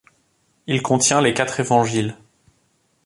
Il contient les quatre Évangiles.